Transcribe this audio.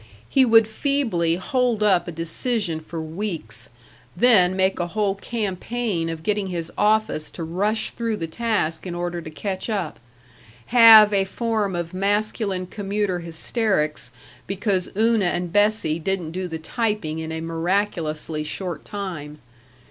He would feebly hold up a decision for weeks, then make a whole campaign of getting his office to rush through the task in order to catch up; have a form of masculine commuter hysterics because Una and Bessie didn't do the typing in a miraculously short time....